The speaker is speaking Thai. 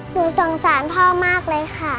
หนูสงสารพ่อมากเลยค่ะ